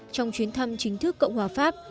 trong chuyến thăm chính thức cộng hòa pháp